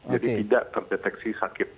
jadi tidak terdeteksi sakit